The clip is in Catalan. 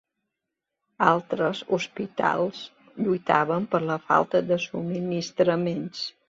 Altres hospitals lluitaven per la falta de subministraments.